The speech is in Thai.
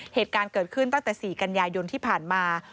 เหตุการณ์เกิดขึ้นตั้งแต่๔กันยายนที่ผ่านมา